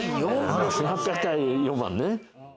１８００対４万ね。